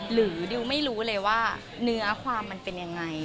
ดิวไม่รู้เลยว่าเนื้อความมันเป็นยังไง